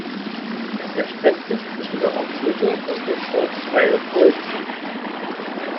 Es erstreckt sich zwischen der Ortsmitte und dem Ortsteil Holzen.